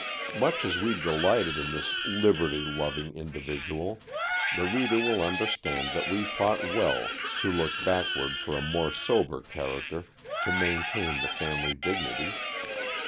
Much as we delighted in this liberty loving individual, the reader will understand that we thought well to look backward for a more sober character to maintain the family dignity.